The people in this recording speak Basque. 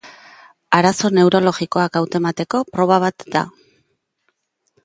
Arazo neurologikoak hautemateko proba bat da.